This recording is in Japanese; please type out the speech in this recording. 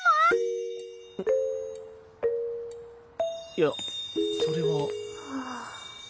いやそれは。